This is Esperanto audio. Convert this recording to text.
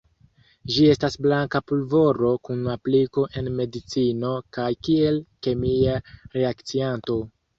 Ĝi estas blanka pulvoro kun apliko en medicino kaj kiel kemia reakcianto.